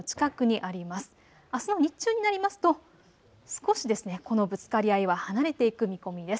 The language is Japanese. あすの日中になりますと少しこのぶつかり合いは離れていく見込みです。